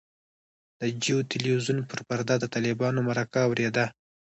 د جیو تلویزیون پر پرده د طالبانو مرکه اورېده.